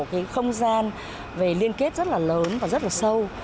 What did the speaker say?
cái không gian về liên kết rất là lớn và rất là sâu